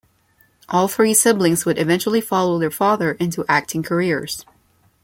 All three siblings would eventually follow their father into acting careers.